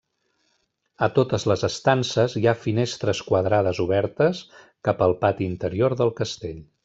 A totes les estances hi ha finestres quadrades obertes cap al pati interior del castell.